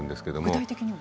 具体的には？